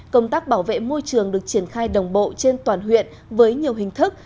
công tác bảo vệ môi trường được triển khai đồng bộ trên toàn huyện với nhiều hình thức